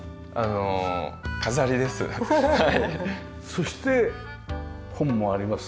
そして本もあります。